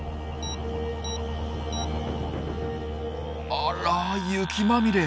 あら雪まみれ。